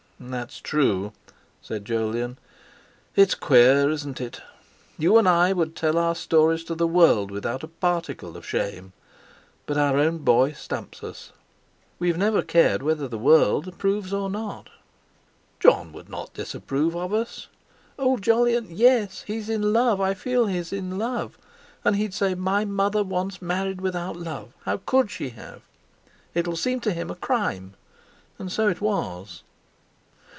"That's true," said Jolyon. "It's queer, isn't it? You and I would tell our stories to the world without a particle of shame; but our own boy stumps us." "We've never cared whether the world approves or not." "Jon would not disapprove of us!" "Oh! Jolyon, yes. He's in love, I feel he's in love. And he'd say: 'My mother once married without love! How could she have!' It'll seem to him a crime! And so it was!"